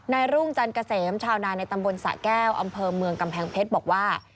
รุ่งจันเกษมชาวนาในตำบลสะแก้วอำเภอเมืองกำแพงเพชรบอกว่า